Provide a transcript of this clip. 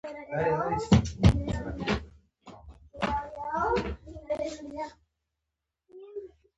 او لوئ شخصيت ډاکټر فتح مند خان دے ۔